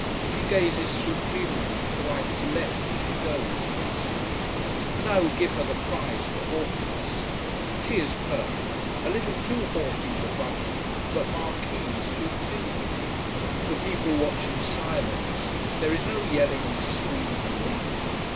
She gazes supremely from right to left as she goes, mincingly, and I would give her the prize for haughtiness. She is perfect a little too haughty for Watteau, but "marquise" to a T. The people watch in silence. There is no yelling and screaming and running.